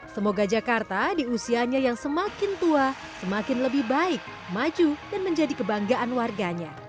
semoga jakarta di usianya yang semakin tua semakin lebih baik maju dan menjadi kebanggaan warganya